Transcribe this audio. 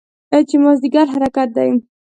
چې مازدیګر حرکت دی.